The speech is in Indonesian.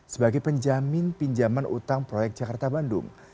sebagai penjamin pinjaman utang proyek jakarta bandung